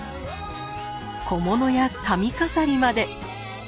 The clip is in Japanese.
小物や髪飾りまで。